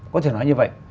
có thể nói như vậy